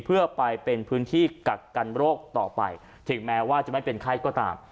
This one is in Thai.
เพื่อไปเป็นพื้นที่กักกันโรคต่อไปถึงแม้ว่าจะไม่เป็นไข้ก็ตาม